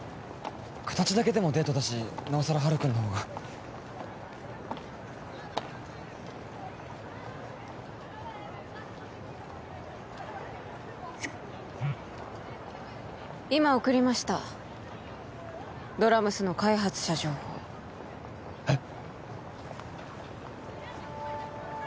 形だけでもデートだしなおさらハルくんのほうが今送りましたドラ娘の開発者情報えっ？